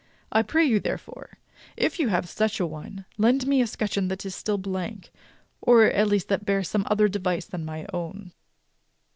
I pray you, therefore, if you have such an one, to lend me a scutcheon that is still blank, or at least one that bears some other device than my own."